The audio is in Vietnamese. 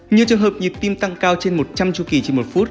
nhiều trường hợp nhịp tim tăng cao trên một trăm linh chu kỳ trên một phút